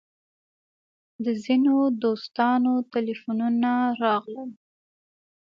د ځینو دوستانو تیلفونونه راغلل.